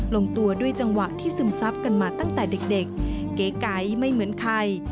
ลงตัวด้วยจังหวะที่ซึมซับกันมาตั้งแต่เด็กเก๋ไก๋ไม่เหมือนใคร